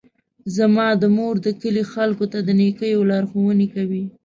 زما مور د کلي خلکو ته د نیکیو لارښوونې کوي.